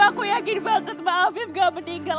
aku yakin banget ma afif gak meninggal